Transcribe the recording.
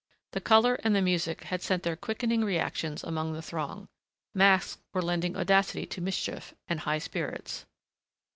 The color and the music had sent their quickening reactions among the throng. Masks were lending audacity to mischief and high spirits.